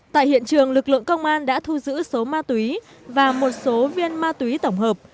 tại hiện trường lực lượng công an đã thu giữ số ma túy và một số viên ma túy tổng hợp